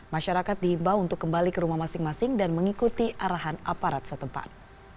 masyarakat diimbau untuk kembali ke rumah masing masing dan mengikuti arahan aparat setempat